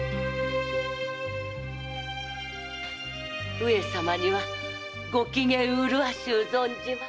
上様にはごきげん麗しゅう存じます。